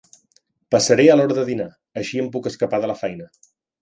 Passaré a l'hora de dinar, així em puc escapar de la feina.